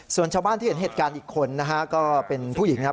ส่วนชาวบ้านที่เห็นเหตุการณ์อีกคนนะฮะก็เป็นผู้หญิงนะครับ